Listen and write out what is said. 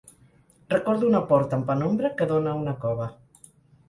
Recordo una porta en penombra que dóna a una cova.